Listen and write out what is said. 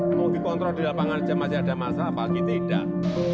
mau dikontrol di lapangan saja masih ada masalah apalagi tidak